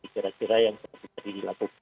kira kira yang seperti tadi dilakukan